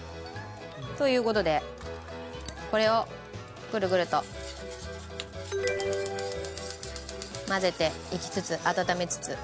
という事でこれをグルグルと混ぜていきつつ温めつつ。